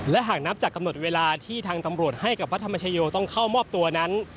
และหากนับจากกำหนดเวลาที่ทางตำรวจให้กับพระธรรมชโยต้องเข้ามอบตัวนั้น